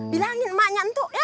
bilangin emaknya entu ya